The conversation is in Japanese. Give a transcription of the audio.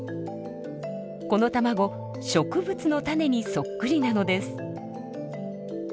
この卵植物の種にそっくりなのです。